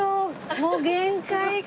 もう限界か？